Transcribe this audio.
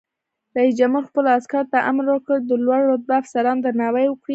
رئیس جمهور خپلو عسکرو ته امر وکړ؛ د لوړ رتبه افسرانو درناوی وکړئ!